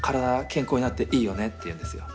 健康になっていいよね」って言うんですよ。